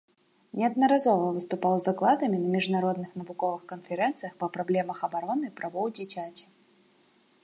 Неаднаразова выступаў з дакладамі на міжнародных навуковых канферэнцыях па праблемах абароны правоў дзіцяці.